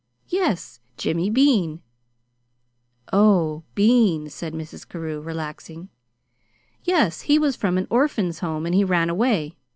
"Yes; Jimmy Bean." "Oh BEAN," said Mrs. Carew, relaxing. "Yes. He was from an Orphan's Home, and he ran away.